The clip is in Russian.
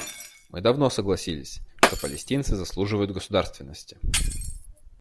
Мы давно согласились, что палестинцы заслуживают государственности.